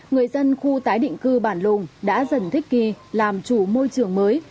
người dân khu tái định cư bản lùng đã dần thích kỳ làm chủ môi trường mới